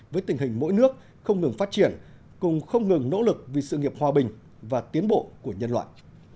với tình hình mỗi nước không ngừng phát triển cùng không ngừng nỗ lực vì sự nghiệp hòa bình và tiến bộ của nhân loại